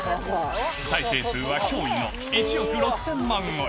再生数は驚異の１億６０００万超え。